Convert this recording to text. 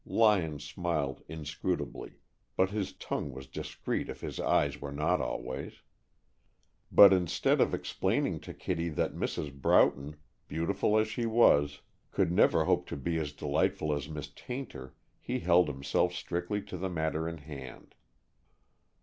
Lyon smiled inscrutably, but his tongue was discreet if his eyes were not always. But instead of explaining to Kittie that Mrs. Broughton, beautiful as she was, could never hope to be as delightful as Miss Tayntor, he held himself strictly to the matter in hand.